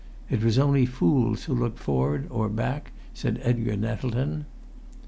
It was only fools who looked forward or back, said Edgar Nettleton.